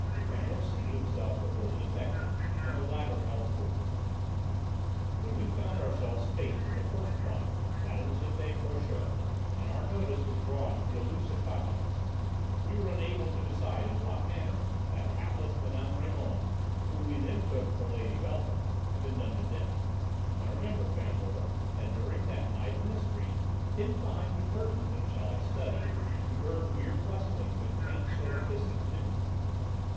Fandor seated himself before the detective, and the latter held forth. "When we found ourselves faced with the first crime, that of the Cité Frochot, and our notice was drawn to the elusive Fantômas, we were unable to decide in what manner that hapless Mme. Raymond, whom we then took for Lady Beltham, had been done to death. Now, remember, Fandor, that during that night of mystery, hidden behind the curtains in Chaleck's study we heard weird rustlings and faint sort of hissings, didn't we?"